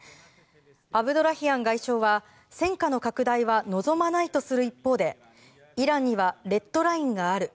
アブドラヒアン外相は戦火の拡大は望まないとする一方でイランにはレッドラインがある。